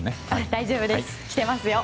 大丈夫です。来てますよ。